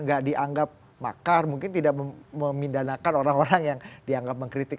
tidak dianggap makar mungkin tidak memindanakan orang orang yang dianggap mengkritik